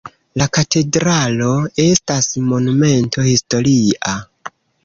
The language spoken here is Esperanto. La katedralo estas Monumento historia.